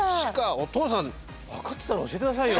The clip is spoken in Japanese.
おとうさん分かってたら教えて下さいよ。